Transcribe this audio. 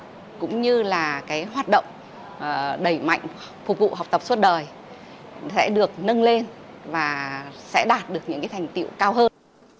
cũng như là cái hoạt động đẩy mạnh phục vụ học tập suốt đời sẽ được nâng lên và sẽ đạt được những thành tiệu cao hơn